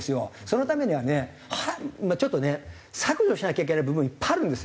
そのためにはねちょっとね削除しなきゃいけない部分いっぱいあるんですよ